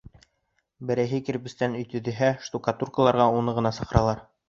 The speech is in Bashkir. Берәйһе кирбестән өй төҙөһә, штукатуркаларға уны ғына саҡыралар.